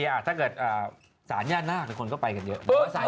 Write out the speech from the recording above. แต่ว่าถ้าเกิดสายหน้าทุกคนก็ไปกันเยอะ